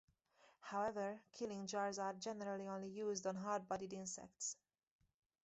However, killing jars are generally only used on hard-bodied insects.